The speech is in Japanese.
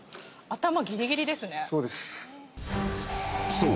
［そう。